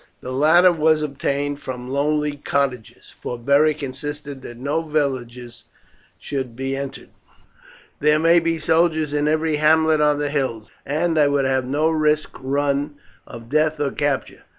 The latter was obtained from lonely cottages, for Beric insisted that no villages should be entered. "There may be soldiers in every hamlet on the hills, and I would have no risk run of death or capture.